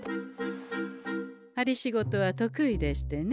針仕事は得意でしてね。